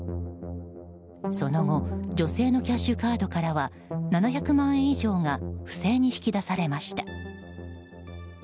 その後女性のキャッシュカードからは７００万円以上が不正に引き出されました。